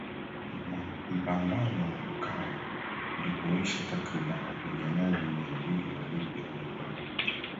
Mpambano wa Lukaya ulipoisha takriban wapiganajji mia mbili wa Libya waliuawa